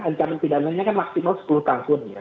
ancaman pidananya kan maksimal sepuluh tahun ya